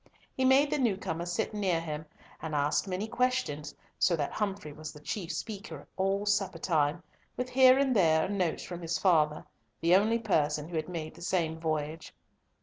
He made the new comer sit near him, and asked many questions, so that Humfrey was the chief speaker all supper time, with here and there a note from his father, the only person who had made the same voyage.